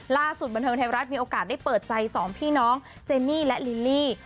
ล่าสุดบันเทิงไทยรัฐมีโอกาสได้เปิดใจสองพี่น้องเจนี่และลิลลี่